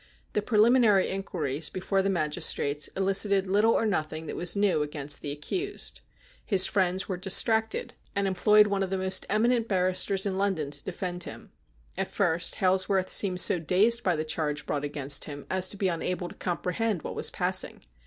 The preliminary inquiries before the magistrates elicited little or nothing that was new against the accused. His friends were distracted, and employed one of THE BELL OF DOOM 263 the most eminent barristers in London to defend him. At first Hailsworth seemed so dazed by the charge brought against him as to be unable to comprehend what was passing.